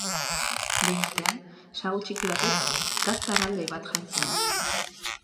Behin batean sagu txiki batek gazta erraldoi bat jan zuen.